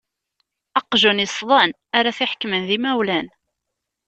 Aqjun iṣṣḍen, ara t-iḥekmen d imawlan.